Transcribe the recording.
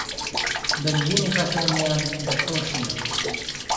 بە نیوەی نرخەکانیان دەفرۆشینەوە